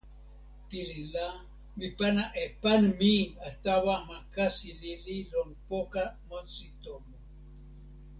pilin la, mi pana e pan mi a tawa ma kasi lili lon poka monsi tomo.